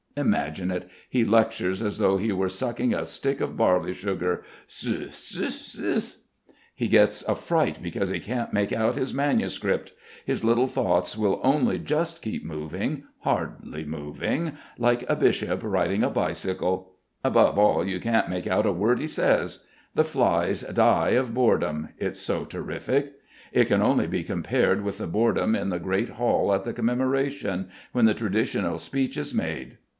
Imagine it: he lectures as though he were sucking a stick of barley sugar su su su. He gets a fright because he can't make out his manuscript. His little thoughts will only just keep moving, hardly moving, like a bishop riding a bicycle. Above all you can't make out a word he says. The flies die of boredom, it's so terrific. It can only be compared with the boredom in the great Hall at the Commemoration, when the traditional speech is made.